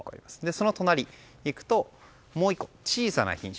その隣に行くともう１個、小さな品種。